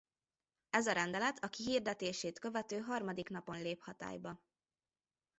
Ez a rendelet a kihirdetését követő harmadik napon lép hatályba.